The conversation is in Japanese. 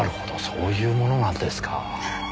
そういうものなんですか。